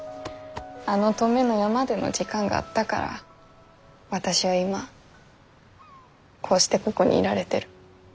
あの登米の山での時間があったから私は今こうしてここにいられてる。